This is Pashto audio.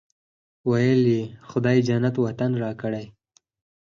ویل یې خدای جنت وطن راکړی.